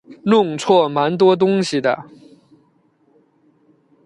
弄错蛮多东西的